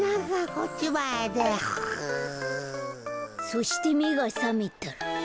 そしてめがさめたら。